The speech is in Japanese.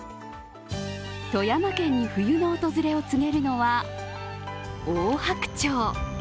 富山県に冬の訪れを告げるのはオオハクチョウ。